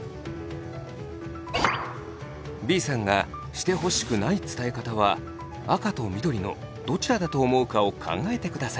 Ｂさんがしてほしくない伝え方は赤と緑のどちらだと思うかを考えてください。